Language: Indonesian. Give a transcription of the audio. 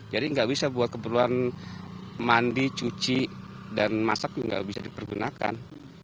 jadi nggak bisa buat kebutuhan mandi cuci dan masak juga nggak bisa dipergunakan